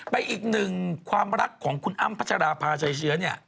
ไปอีกนึงความรักของครูอ้ำพาชาดาภาไชเชื้อ